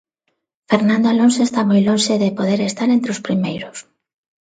Fernando Alonso está moi lonxe de poder estar entre os primeiros.